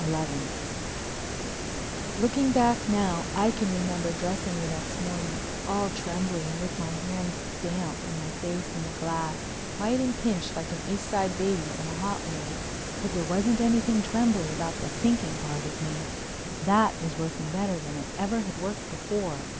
XI Looking back now I can remember dressing the next morning, all trembly and with my hands damp, and my face in the glass, white and pinched like an East Side baby's in a hot wave. But there wasn't anything trembly about the thinking part of me. That was working better than it had ever worked before.